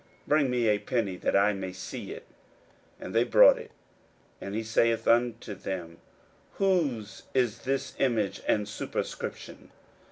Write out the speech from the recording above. bring me a penny, that I may see it. 41:012:016 And they brought it. And he saith unto them, Whose is this image and superscription?